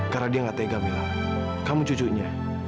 karena dia enggak tega mila kamu cucunya